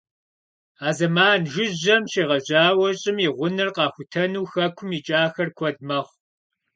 А зэман жыжьэм щегъэжьауэ щӀым и гъунэр къахутэну хэкум икӀахэр куэд мэхъу.